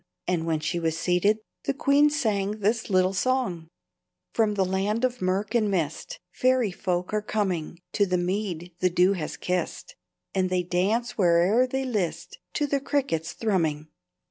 And when she was seated the queen sang this little song: "From the land of murk and mist Fairy folk are coming To the mead the dew has kissed, And they dance where'er they list To the cricket's thrumming.